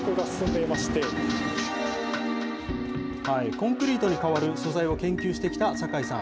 コンクリートに代わる素材を研究してきた酒井さん。